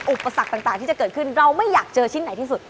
อุปสรรคต่างที่จะเกิดขึ้นเราไม่อยากเจอชิ้นไหนที่สุด